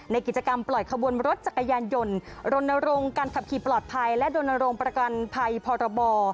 ในกิจกรรมปล่อยขบวนรถจักรยานยนต์รณรงค์การขับขี่ปลอดภัยและรณรงค์ประกันภัยพรบ